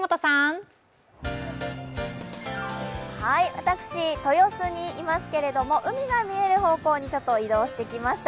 私、豊洲にいますけれども海が見える方向にちょっと移動してきました。